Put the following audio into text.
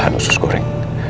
bangun susu goreng